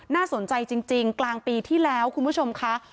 น่าสนใจจริงกลางปีที่แล้วคุณผู้ชมค่ะ